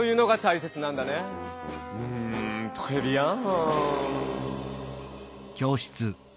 うんトレビアン！